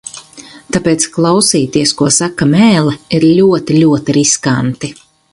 Tāpēc klausīties, ko saka mēle, ir ļoti, ļoti riskanti.